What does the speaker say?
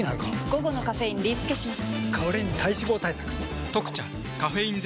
午後のカフェインリスケします！